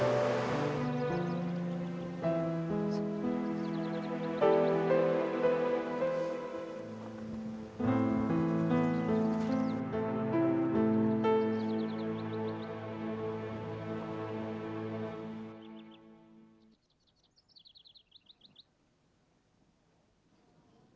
ayah jang rang